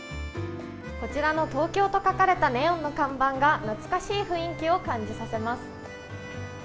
こちらの東京と書かれたネオンの看板が、懐かしい雰囲気を感じさせます。